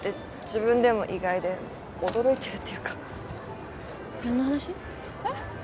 自分でも意外で驚いてるっていうか何の話？えっ？